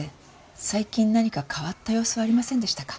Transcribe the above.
最近何か変わった様子はありませんでしたか？